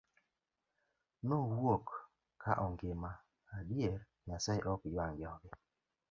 Nowuok ka ongima, adier Nyasaye ok jwang' joge.